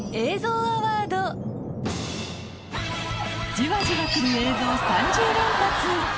じわじわくる映像３０連発！